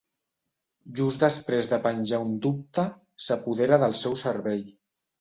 Just després de penjar un dubte s'apodera del seu cervell.